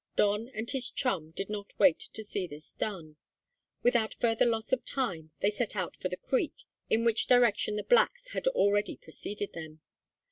Don and his chum did not wait to see this done. Without further loss of time they set out for the creek, in which direction the blacks had already preceded them.